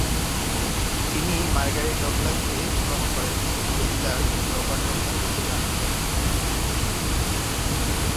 তিনি মার্গারেট ডগলাসকে বিবাহ করেন যে জমিদার রবার্ট ডগলাসের কন্যা ছিলেন।